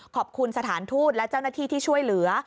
ขอบคุณสถานทูตและเจ้าหน้าที่ที่ช่วยเหลือ